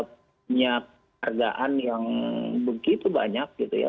punya hargaan yang begitu banyak gitu ya